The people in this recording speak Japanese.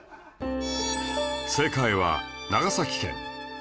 正解は長崎県